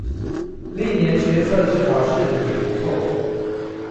歷年學測指考試題也不錯